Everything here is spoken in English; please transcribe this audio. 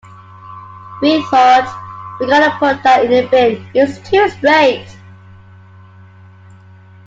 We thought, 'We've gotta put that in the bin, it's too straight.